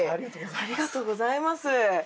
ありがとうございます。